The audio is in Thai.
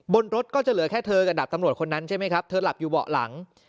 บนรถก็จะเหลือแค่เธอกับดาบตำรวจคนนั้นใช่ไหมครับเธอหลับอยู่เบาะหลัง